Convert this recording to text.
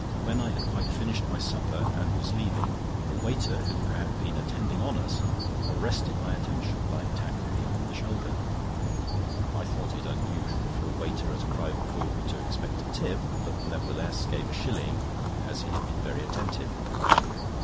When I had quite finished my supper, and was leaving, the waiter who had been attending on us arrested my attention by tapping me on the shoulder. I thought it unusual for a waiter at a private ball to expect a tip, but nevertheless gave a shilling, as he had been very attentive.